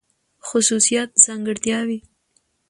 خصوصيات √ ځانګړتياوې